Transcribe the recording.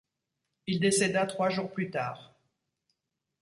Il décéda trois jours plus tard.